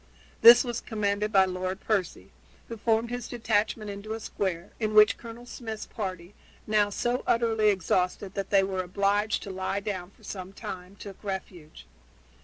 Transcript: This was commanded by Lord Percy, who formed his detachment into square, in which Colonel Smith's party, now so utterly exhausted that they were obliged to lie down for some time, took refuge.